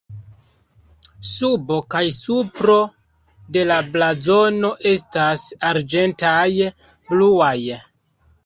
Subo kaj supro de la blazono estas arĝentaj-bluaj.